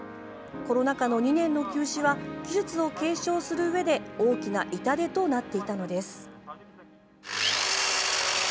コロナ禍の２年の休止は技術を継承するうえで大きな痛手となっていたのです。